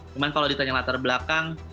cuma kalau ditanya latar belakang